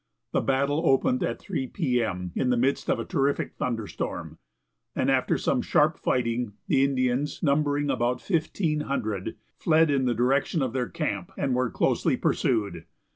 The battle opened at three p. m., in the midst of a terrific thunderstorm, and after some sharp fighting, the Indians, numbering about fifteen hundred, fled in the direction of their camp, and were closely pursued.